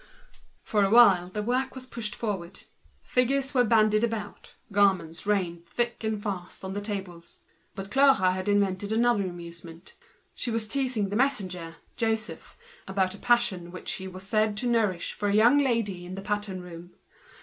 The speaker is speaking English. For a while the work pushed forward. Figures flew about, the parcels of garments rained thick and fast on the tables, But Clara had invented another amusement: she was teasing the messenger, Joseph, about a passion that he was said to nourish for a young lady in the pattern room.